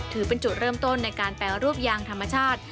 ถือเป็นจุดเริ่มต้นในการแปรรูปยางธรรมชาติ